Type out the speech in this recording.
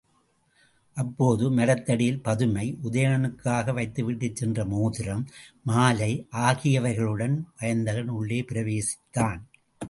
அப்போது மரத்தடியில் பதுமை உதயணனுக்காக வைத்துவிட்டுச் சென்ற மோதிரம், மாலை ஆகியவைகளுடன் வயந்தகன் உள்ளே பிரவேசித்தான்.